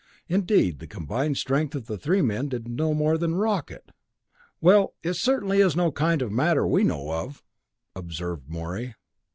Indeed, the combined strength of the three men did not do more than rock it. "Well it certainly is no kind of matter we know of!" observed Morey.